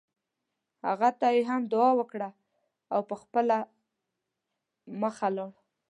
هغه ته یې هم دعا وکړه او په خپله مخه لاړ.